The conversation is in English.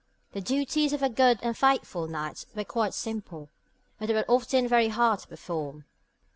The duties of a 'good and faithful knight' were quite simple, but they were often very hard to perform.